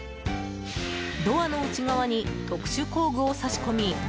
ドアの内側に特殊工具を挿し込み